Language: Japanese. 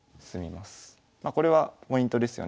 まこれはポイントですよね。